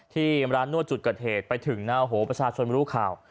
ที่อำราศนั่วจุดกระเทศไปถึงหน้าโหประชาชนบิลูกข่าว